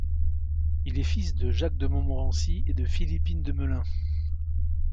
Il est fils de Jacques de Montmorency et de Philippine de Melun.